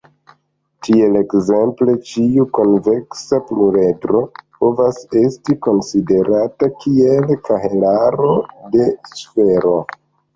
Tiel ekzemple ĉiu konveksa pluredro povas esti konsiderata kiel kahelaro de sfero.